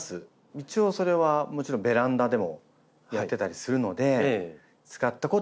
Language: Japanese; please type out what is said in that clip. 一応それはもちろんベランダでもやってたりするので使ったことはあります。